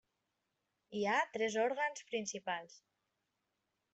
Hi ha tres òrgans principals.